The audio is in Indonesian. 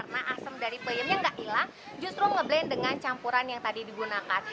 jadi peyemnya nggak hilang justru ngeblend dengan campuran yang tadi digunakan